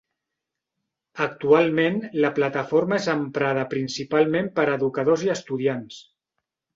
Actualment, la plataforma és emprada principalment per educadors i estudiants.